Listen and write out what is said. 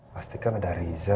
pastikan ada riza